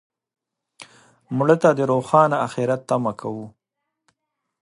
مړه ته د روښانه آخرت تمه کوو